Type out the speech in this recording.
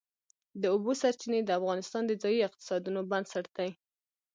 د اوبو سرچینې د افغانستان د ځایي اقتصادونو بنسټ دی.